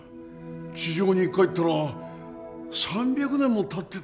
地上に帰ったら３００年もたってたなんて。